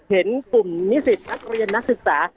เห็นกลุ่มนิสิตนักเรียนนักศึกษา